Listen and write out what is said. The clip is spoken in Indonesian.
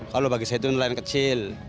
kalau bagi saya itu nilai yang kecil